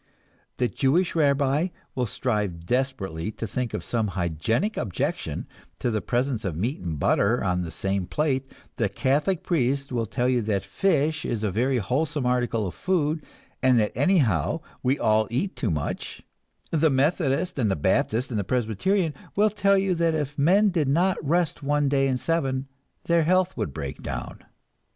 The Jewish rabbi will strive desperately to think of some hygienic objection to the presence of meat and butter on the same plate; the Catholic priest will tell you that fish is a very wholesome article of food, and that anyhow we all eat too much; the Methodist and the Baptist and the Presbyterian will tell you that if men did not rest one day in seven their health would break down.